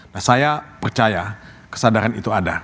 nah saya percaya kesadaran itu ada